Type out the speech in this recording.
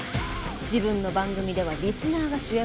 「自分の番組ではリスナーが主役だ」って。